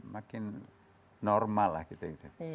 makin normal lah kita